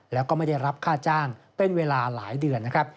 แล้วก็ไม่ได้รับค่าจ้างเป็นเวลาหลายเดือนนะครับ